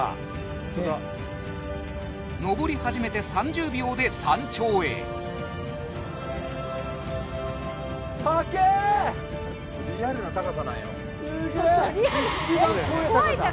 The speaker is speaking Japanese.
登り始めて３０秒で山頂へリアルな高さなんよすげ！